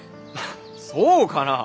そうかなぁ。